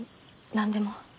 何でも。